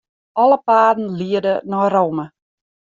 Alle paden liede nei Rome.